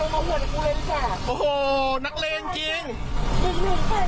หวานรถวันที่เป็น